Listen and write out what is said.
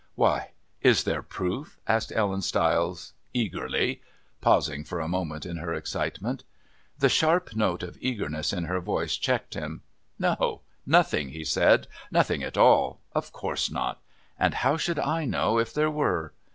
"Why, is there proof?" asked Ellen Stiles, eagerly, pausing for a moment in her excitement. The sharp note of eagerness in her voice checked him. "No nothing," he said. "Nothing at all. Of course not. And how should I know if there were?"